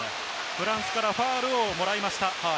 フランスからファウルをもらいました。